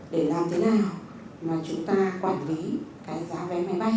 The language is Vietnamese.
để làm thế nào mà chúng ta quản lý cái giá vé máy bay